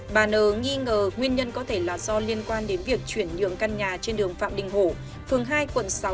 bà n nghi ngờ nguyên nhân có thể là do liên quan đến việc chuyển nhượng căn nhà trên đường phạm đình hổ phường hai quận sáu